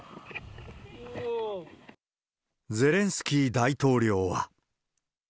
ゼレンスキー大統領は。